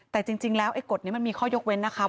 แต่จริงแล้วไอ้กฎนี้มันมีข้อยกเว้นนะคะ